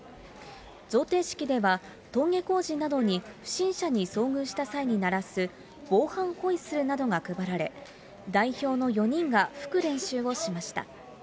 贈呈式では、登下校時などに不審者に遭遇した際に鳴らす防犯ホイッスルなどが配られ、代表の４人が吹く練習をしました。